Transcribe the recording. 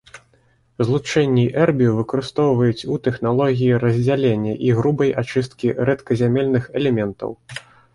Злучэнні эрбію выкарыстоўваюць у тэхналогіі раздзялення і грубай ачысткі рэдказямельных элементаў.